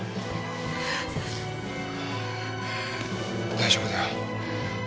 大丈夫だよ